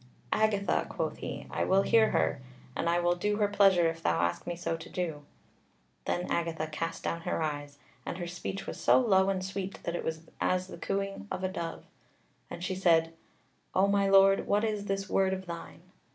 "Agatha," quoth he, "I will hear her, and I will do her pleasure if thou ask me so to do." Then Agatha cast down her eyes, and her speech was so low and sweet that it was as the cooing of a dove, as she said: "O my Lord, what is this word of thine?"